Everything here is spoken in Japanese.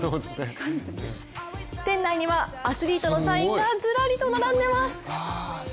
店内にはアスリートのサインがずらりと並んでいます。